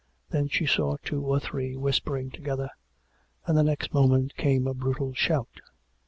Then she saw two or three whispering together, and the next moment came a brutal shout.